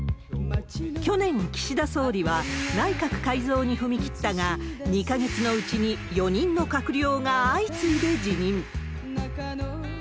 去年、岸田総理は内閣改造に踏み切ったが、２か月のうちに４人の閣僚が相次いで辞任。